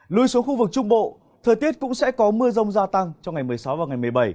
lưu ý số khu vực trung bộ thời tiết cũng sẽ có mưa rông gia tăng trong ngày một mươi sáu và ngày một mươi bảy